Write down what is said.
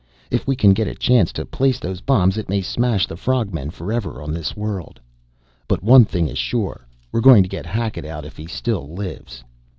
If we can get a chance to place those bombs it may smash the frog men forever on this world. But one thing is sure: we're going to get Hackett out if he still lives!"